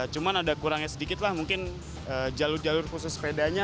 cuma ada kurangnya sedikit lah mungkin jalur jalur khusus sepedanya